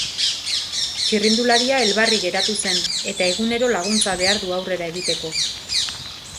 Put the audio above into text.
Txirrindularia elbarri geratu zen eta egunero laguntza behar du aurrera egiteko.